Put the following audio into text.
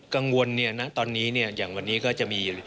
กังวลตอนนี้อย่างวันนี้ก็จะมี